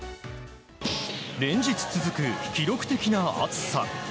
連日続く記録的な暑さ。